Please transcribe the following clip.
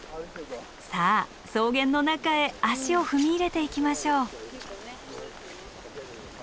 さあ草原の中へ足を踏み入れていきましょう。